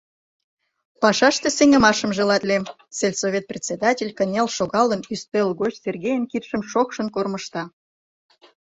Пашаште сеҥымашым желатлем! — сельсовет председатель, кынел шогалын, ӱстел гоч Сергейын кидшым шокшын кормыжта.